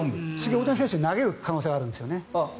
大谷選手が投げる可能性があるんですよね。